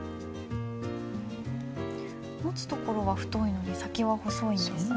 持つ所は太いのに先は細いんですね。